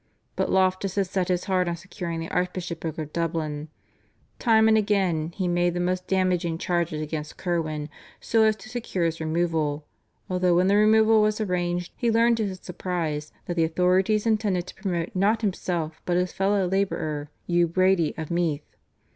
But Loftus had set his heart on securing the Archbishop of Dublin. Time and again he made the most damaging charges against Curwen so as to secure his removal, although when the removal was arranged he learned to his surprise that the authorities intended to promote not himself, but his fellow labourer, Hugh Brady of Meath.